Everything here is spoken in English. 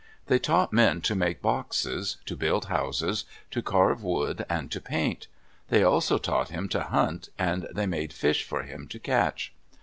They taught men to make boxes, to build houses, to carve wood, and to paint. They also taught him to hunt, and they made fish for him to catch.